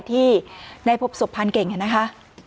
ที่ได้พบศพพานเก่งนะคะ